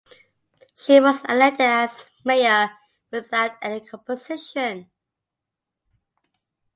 She was elected as Mayor without any opposition.